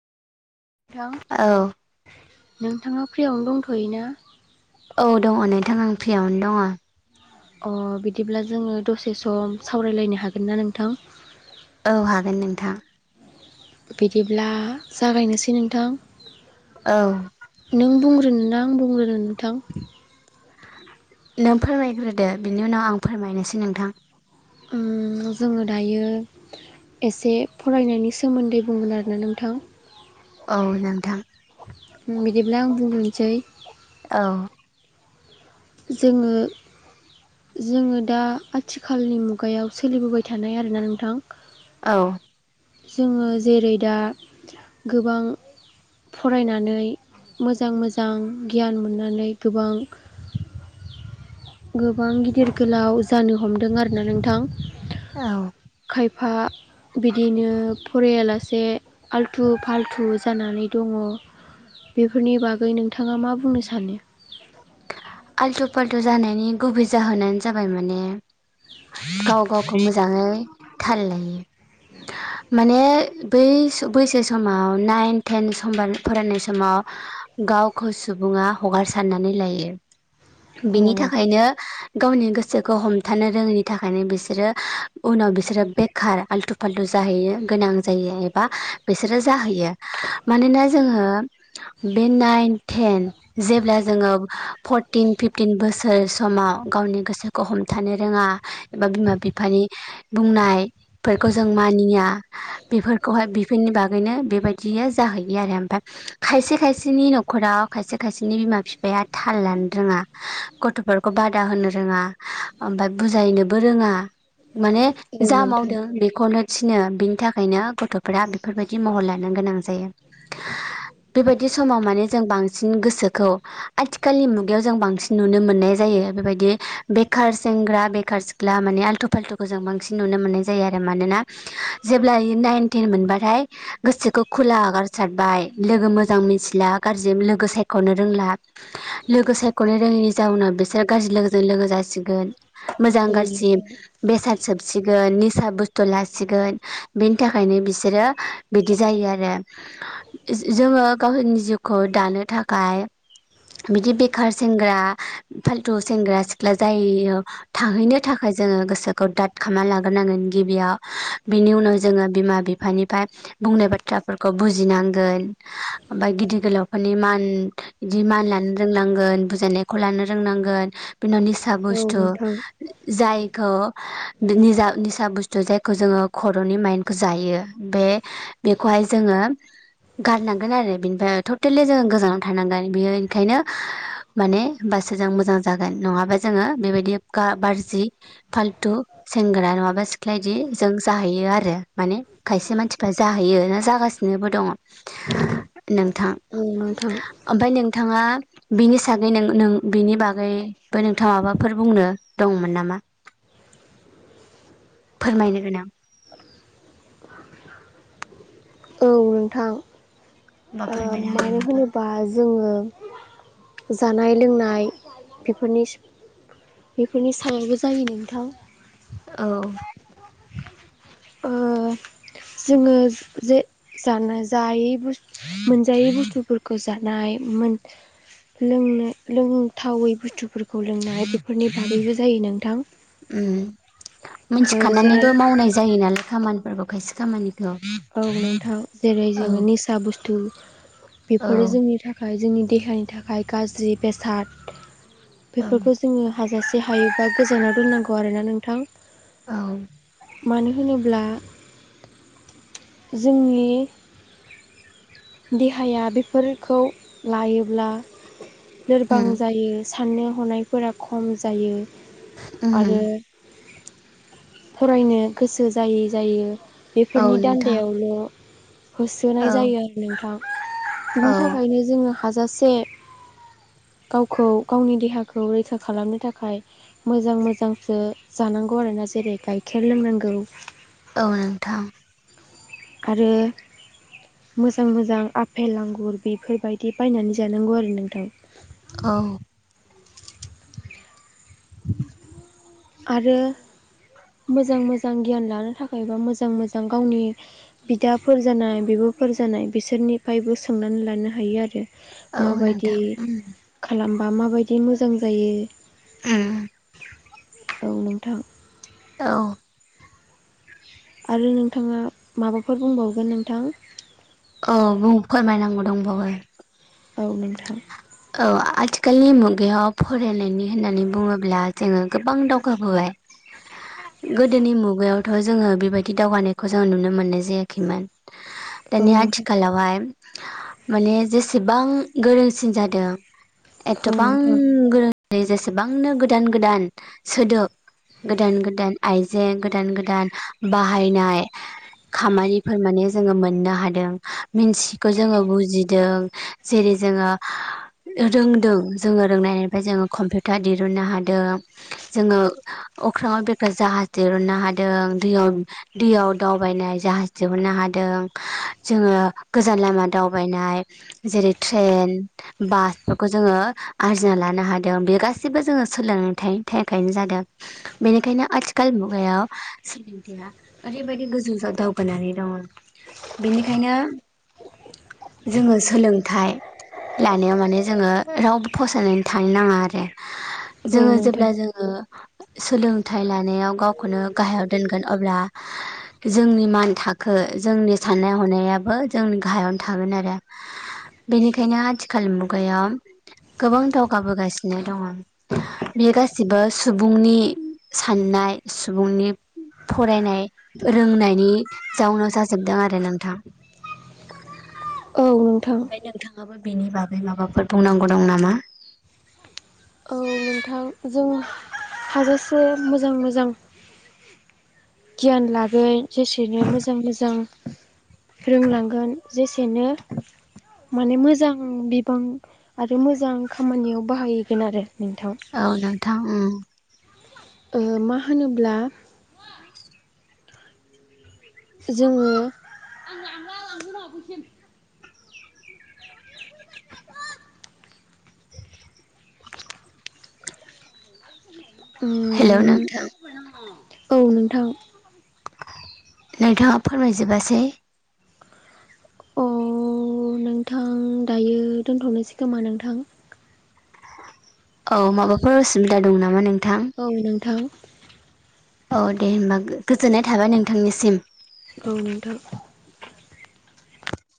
औ नोंथां नोंथाङा फ्रियावनो दंथ'य ना? औ दङ नोंथां आं फ्रियावनो दङ। अ बिदिब्ला जोङो दसे सम सावरायलायनो हागोन ना नोंथां? औ हागोन नोंथां। बिदिब्ला जागायनोसै नोंथां औ नों बुंग्रो ना आं बुंग्रोनो नोंथां? नों फोरमायग्रोदो बिनि उनाव आं फोरमायनोसै नोंथां। उम। जोङो दायो एसे फरायनायनि सोमोन्दै बुंगोन आरोना नोंथां। औ नोंथां बिदिब्ला आं बुंगोनोसै। औ जोङो जोङो दा आथिखालनि मुगायाव सोलिबोबाय थानाय आरोना नोंथां। औ। जोङो जेरै दा गोबां फरायनानै मोजां मोजां गियान मोनानै गोबां [inaudible] गोबां गिदिर गोलाव जानो हमदों आरोना नोंथां। औ। खायफा बिदिनो फरायालासे आल्थु फाल्थु जानानै दङ बेफोरनि बागै नोंथाङा मा बुंनो सानो? आल्थु फाल्थु जानायनि गुबै जाहोनानो जाबाय माने गाव गावखौ मोजाङै थाललायि माने बै बैसो समाव नाइन टेन सम फरायनाय समाव गावखौ सुबुङा हगारसारनानै लायो औ बिनि नोंथां थाखायनो गावनि गोसोखौ हमथानो रोङैनि थाखायनो बिसोरो उनाव बिसोरो बेखार आल्थु फाल्थु ज जाहैयो गोनां जायो एबा बिसोरो जाहैयो मानोना जोङो बे नाइन टेन जेब्ला जोङो भट फरटिन फिफटिन बोसोर समाव गावनि गोसोखौ हमथानो रोङा एबा बिमा बिफानि बुंनायफोरखौ जों मानिया बेफोरखौहाय बेफोरनि बागै नो बेबायदिया जाहैयो आरो ओमफ्राय खायसे खायसेनि न'खराव खायसे खायसेनि बिमा फिफाया थाल लानो रोङा गथ'फोरखौ बादा होनो रोङा ओमफ्राय बुजायनोबो रोङा। माने औ जा नोंथां औ मावदों बेखौनो थिनो बिनि थाखायनो गथ'फोरा बेफोर बायदि महर लानो गोनां जायो। बेबायदि समाव माने जों बांसिन गोसोखौ आथिखालनि मुग गायाव जों बांसिन नुनो मोननाय जायो बेबायदि बेखार सेंग्रा बेखार सिख्ला माने आलथु फालथुखौ बांसिन नुनो मोननाय जायो आरोना मानोना जेबलायै नाइन टेन मोनबाथाय गोसोखौ खुला खुला आगारसारबाय लोगो मोजां मिथिला गाज्रि लोगो सायख'नो रोंला। लोगो सायख'नो रोङैनि जाउनाव बिसोर गाज्रि लोगोजों लोगो जासिगोन मोजां गाज्रि बेसाद सोबसिगोन निसा बुस्थु लासिगोन बेनि थाखायनो बिसोरो बिदि जायो आरो। जोङो गावसोरनि जिउखौ दानो थाखाय बिदि बेखार सेंग्रा फाल्थु सेंग्रा सिख्ला जायो थाहैनो थाखाय जोङो गोसोखौ दाद खालामनानै लाग्रोनांगोन गिबियाव बिनि उनाव जोङो बिमा बिफानिफ्राय बुं नाय बाथ्राफोरखौ बुजिनांगोन ओमफ्राय गिदिर गोलावफोरनि मान बिदि मान ला नो रोंनांगोन बुजायनायखौ लानो रोंनांगोन। बिनि उनाव निसा औ बुस्थु नोंथां जायखौ निजा निसा बुस्थु जायखौ जोङो खर'नि माइनखौ जायो बे बेखौहाय जोङो गारनांगोन आरो बेनिफ्राय टटेलि जों गोजानाव थानांगोन बेयो ओंखायनो [inaudible] माने होनबासो जों मोजां जागोन नङाबा जोङो बेबायदि गाज्रि फाल्थु सेंग्रा नङाबा सिख्लाया इदि जों जाहैयो आरो। माने खायसे मानसिफ्रा जाहैयो ना जागासिनोबो दङ नोंथां। औ नोंथां ओमफ्राय नोंथाङा बिनि सागै नों नों बिनि बागैबो नोंथाङा माबाफोर बुंनो दंमोन नामा? [inaudible] फोरमायनो गोनां औ नोंथां बा ओ फोरमायनो हागोन मानो नोंथां होनोबा जोङो जानाय लोंनाय बेफोरनि बेफोरनि सायावबो जायो नोंथां। औ। ओ जोंङो जे जानो जायै मोनजायै बुस्थुफोरखौ जानाय मोन लोंनो लोंथावै बुस्थुफोरखौ लोंनाय बेफोरनि बागैबो जायो नोंथां। ओम ओ जेरै मिथिखानानैबो मावनाय जायो नालाय खामानिफोरखौ खायसे खामानिखौ औ नोंथां जेरै औ जोंङो निसा बुस्थु औ बेफोरो जोंनि थाखा य जोंनि देहानि थाखाय गाज्रि बेसाद औ बेफोरखौ जोंङो हाजासे हायोबा गोजानाव दोननांगौ आरोना नोंथां। औ मानो होनोब्ला जोंनि देहाया बेफोरखौ लायोब्ला लोरबां उम जायो साननो हनायफोरा खम जायो। उम आरो फरायनो गोसो जायै जायो। औ फोरनि नोंथां दान्दायावल होसोनाय औ जायो आरो नोंथां औ बिनि थाखायनो जोंङो हाजासे गावखौ गावनि देहाखौ रैखा खालामनो थाखाय मोजां मोजांसो जानांगौ आ रोना जेरै गाइखेर लोंनांगौ औ नोंथां आरो मोजां मोजां आफेल, आंगुर बेफोरबायदि बायनानै जानांगौ आरो नोंथां। औ आरो मोजां मोजां गियान लानो थाखाय बा मोजां मोजां गावनि बिदाफोर जानाय बिब फोर जानाय बिसोरनिफ्रायबो सोंनानै लानो हायो आरो औ माबायदि नोंथां उम खालामबा माबायदि मोजां जायो। ओम औ नोंथां औ आरो नोंथांङा माबाफोर बुंबावगोन नोंथां। औ बुं फोरमायनांगौ दंबावो औ नोंथां औ आथिखालनि मुगायाव फरायनायनि होननानै बुंङोब्ला जोंङो गोबां दावगाबोबाय [inaudible] गोदोनि मुगायावथ जोंङो बेबायदि दावगानायखौ जों नुनो मोननाय जायाखैमोन। औ दानि नोंथां आथिखालावहाय माने जेसेबां गोरोंसिन जा दों औ एथबां नोंथां गोरों जेरै जेसेबांनो गोदान गोदान सोदोब गोदान गोदान आइजें गोदान गोदान बाहायनाय खामानिफोर माने जोंङो मोननो हादों मिन्थिखौ जोंङो बुजिदों। जेरै जोंङो रोंदों जोंङो रोंनायनिफ्राय जोङो कम्पिउटार दिरुननो हादों। जोंङो अख्राङाव बेग्रा जाहाज दिहुननो हादों दैयाव दैयाव दावबायनाय जाहाज दिहुननो हा दों जोंङो गोजान लामा दावबायनाय जेरै ट्रेन बासफोरखौ जोंङो आरजिना लानो हादों बे गासैबो जोंङो सोलोंनानै थाखायखायनो जादों। बेनिखायनो आथिखाल मुगायाव सोलोंथाया ओरैबायदि गोजौ दावगानानै दंङ। बेनिखायनो जोंङो सोलोंथाइ लानायाव माने जोङो रावबो फसायनानै थानो नाङा आरो औ जोङो नोंथां जेब्ला जोङो सोलोंथाइ लानायाव गावखौनो गाहायाव दोनगोन अब्ला जोंनि मान थाखो जोंनि साननाय हनायाबो जोंनि गाहायावनो थागोन आरो बेनिखायनो आथि खालि मुगाया गोबां दावगाबोगासिनो दङ। बे गासिबो सुबुं नि साननाय सुबुंनि फरायनाय रोंनायनि जाउनाव जाजोबदों आरो नोंथां। [unintelligible] नोंथां ओमफ्राय नोंथाङाबो बेनि बागै माबाफोर बुंनांगौ दं नामा? थां जों हाजासे मोजां मोजां गियान लागोन जेसेनो मोजां मोजां रोंलांगोन जेसेनो माने मोजां बिबां आरो मोजां खामानियाव बाहायगोन आरो नोंथां। औ नोंथां उम। ओहो मा होनोब्ला जोङो [unintelligible] हेलौ उम नोंथां। औ नोंथां। नोंथाङा फोरमायजोबासै। अ नोंथां दायो दोन्थ'नोसै खोमा नोंथां? औ माबाफोर उसिबिदा दं नामा नों औ नोंथां। औ दे होमबा गोजोननाय थाबाय नोंथांनिसिम। औ नोंथां